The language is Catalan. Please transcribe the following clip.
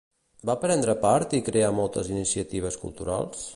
Va prendre part i crear moltes iniciatives culturals?